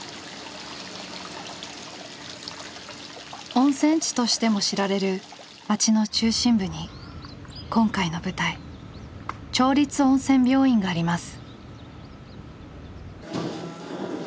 温泉地としても知られる町の中心部に今回の舞台町立温泉病院があります。